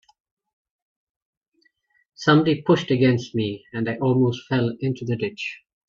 Somebody pushed against me, and I almost fell into the ditch.